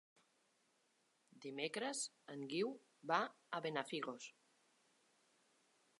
Dimecres en Guiu va a Benafigos.